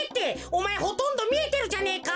おまえほとんどみえてるじゃねえか。